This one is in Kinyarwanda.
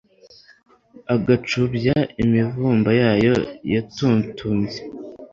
ugacubya imivumba yayo yatutumbye